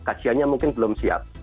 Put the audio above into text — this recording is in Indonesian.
kasianya mungkin belum siap